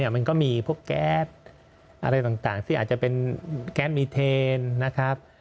มันก็มีพวกแก๊สอะไรต่างที่อาจจะเป็นแก๊สมีเทนนะครับ